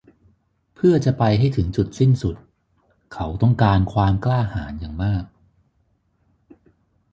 เพื่อจะไปให้ถึงจุดสิ้นสุด เขาต้องการความกล้าหาญอย่างมาก